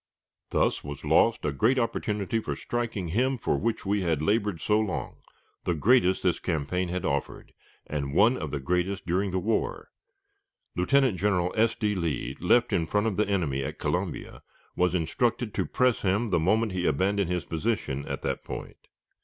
Thus was lost a great opportunity for striking him for which we had labored so long the greatest this campaign had offered, and one of the greatest during the war. Lieutenant General S. D. Lee, left in front of the enemy at Columbia, was instructed to press him the moment he abandoned his position at that point.